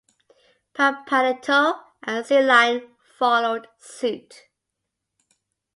"Pampanito" and "Sealion" followed suit.